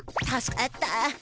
助かった？